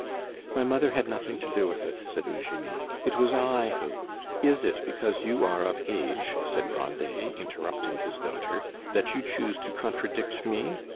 "My mother had nothing to do with it," said Eugenie; "it was I who " "Is it because you are of age," said Grandet, interrupting his daughter, "that you choose to contradict me?